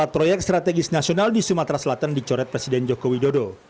empat proyek strategis nasional di sumatera selatan dicoret presiden joko widodo